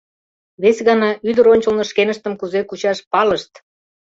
Вес гана, ӱдыр ончылно шкеныштым кузе кучаш, палышт.